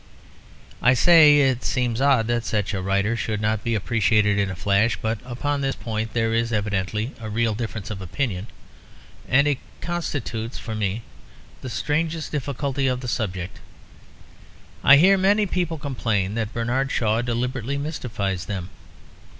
I say it seems odd that such a writer should not be appreciated in a flash; but upon this point there is evidently a real difference of opinion, and it constitutes for me the strangest difficulty of the subject. I hear many people complain that Bernard Shaw deliberately mystifies them.